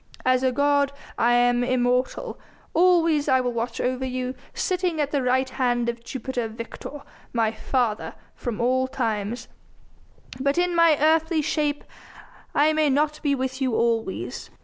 As a god I am immortal; always I will watch over you, sitting at the right hand of Jupiter Victor, my father, from all times. But in my earthly shape I may not be with you always.